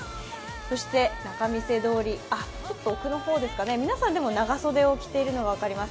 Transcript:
そして仲見世通り、ちょっと奥の方ですかね、皆さん、でも長袖を着ているのが分かります。